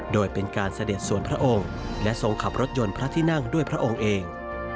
โดยเป็นการเสด็จส่วนพระองค์และทรงขับรถยนต์พระที่นั่งด้วยพระองค์เอง